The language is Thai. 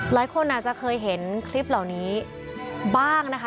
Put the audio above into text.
หลายคนอาจจะเคยเห็นคลิปเหล่านี้บ้างนะคะ